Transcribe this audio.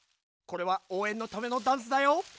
これはおうえんのためのダンスだよ。